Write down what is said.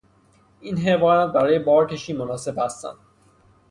این حیوانات برای بارکشی مناسب هستند.